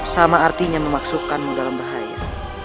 sama artinya memaksudkanmu dalam bahaya